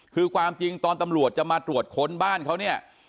คือความจริงตอนตำรวจจะมาตรวจค้นบ้านเขาเนี่ย